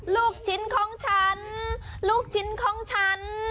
ลูกชิ้นของฉันลูกชิ้นของฉัน